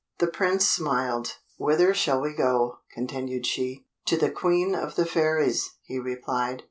The Prince smiled. "Whither shall we go?" continued she. "To the Queen of the Fairies," he replied.